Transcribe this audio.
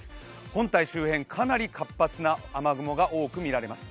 本体周辺、かなり活発な雨雲が多く見られます。